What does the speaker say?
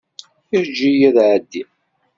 Eǧǧ-iyi ad ɛeddiɣ.